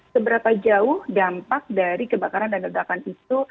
seberapa jauh dampak dari kebakaran dan ledakan itu